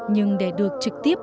nhưng để được trực tiếp